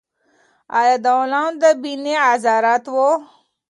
آیا دا غلام د بني غاضرة و؟